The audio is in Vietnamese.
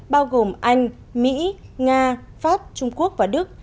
bao gồm anh mỹ nga pháp trung quốc và đức